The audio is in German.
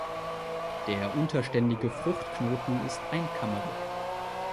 Der unterständige Fruchtknoten ist einkammerig.